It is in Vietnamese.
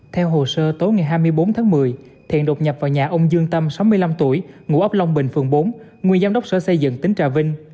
theo hồ sơ tối ngày hai mươi bốn tháng một mươi thiện đột nhập vào nhà ông dương tâm sáu mươi năm tuổi ngụ ấp long bình phường bốn nguyên giám đốc sở xây dựng tỉnh trà vinh